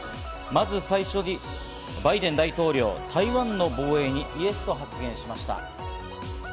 まず最初に、バイデン大統領、台湾の防衛にイエスと発言しました。